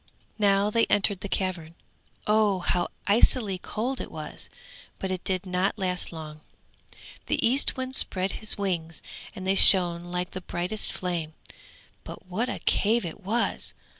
Now they entered the cavern. Oh, how icily cold it was; but it did not last long. The Eastwind spread his wings, and they shone like the brightest flame; but what a cave it was!